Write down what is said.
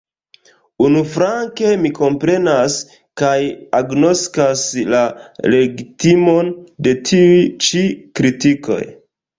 Unuflanke, mi komprenas kaj agnoskas la legitimon de tiuj ĉi kritikoj.